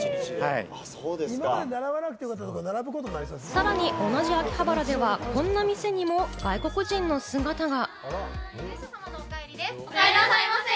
さらに同じ秋葉原では、こんな店にも外国人の姿が。